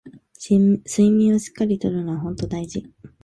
睡眠をしっかり取るのはほんと大事